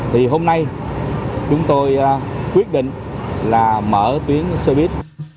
thì hôm nay chúng tôi quyết định là mở tuyến xe buýt